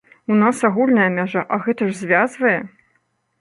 У нас агульная мяжа, а гэта ж звязвае!